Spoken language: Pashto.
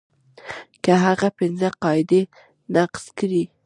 که هغه پنځه قاعدې نقض کړي.